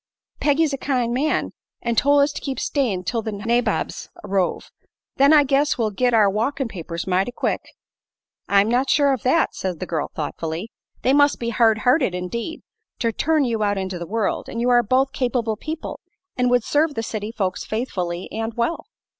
Peggy's a kind man, an' tol' us to keep stayin' 'til the nabobs arrove. Then I guess we'll git our walkin' papers, mighty quick." "I'm not sure of that," said the girl, thoughtfully. "They must be hard hearted, indeed, to turn you out into the world; and you are both capable people, and would serve the city folks faithfully and well."